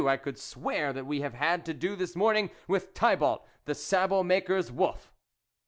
I could swear that we have had to do this morning with Thibault, the sabot maker's wolf."